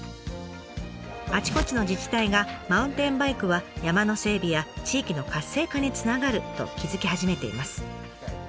あちこちの自治体がマウンテンバイクは山の整備や地域の活性化につながると気付き始めています。